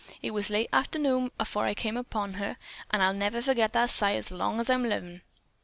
It was late arternoon afore I come upon her, an' I'll never forget that sight as long as I'm livin'.